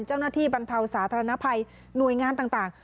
เจ้าหน้าที่บรรเทาสาธารณภัยหน่วยงานต่าง